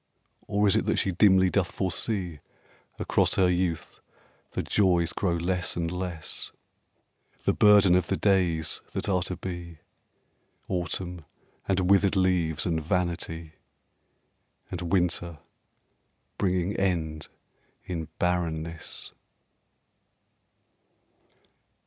Or is it that she dimly doth foresee Across her youth the joys grow less and less The burden of the days that are to be: Autumn and withered leaves and vanity, And winter bringing end in barrenness.